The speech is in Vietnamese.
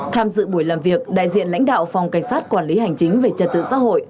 tham dự buổi làm việc đại diện lãnh đạo phòng cảnh sát quản lý hành chính về trật tự xã hội